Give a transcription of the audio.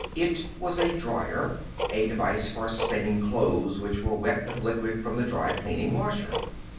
It was a dryer; a device for spinning clothes which were wet with liquid from the dry cleaning washer.